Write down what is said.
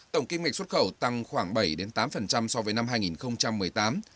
tổng kinh mạch xuất khẩu tăng khoảng bảy tám so với năm hai nghìn một mươi tám